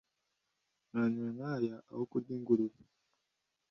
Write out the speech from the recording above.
Muranywe nkaya aho kurya ingurube